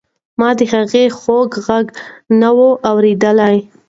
ما د هغې خوږ غږ نه و اورېدلی.